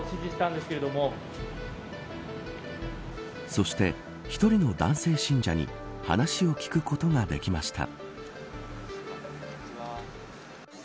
そして、１人の男性信者に話を聞くことができました。